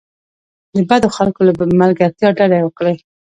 د بدو خلکو له ملګرتیا ډډه وکړئ.